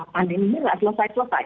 pandemi ini tidak selesai selesai